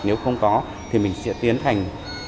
nếu không có thì mình sẽ tiến thành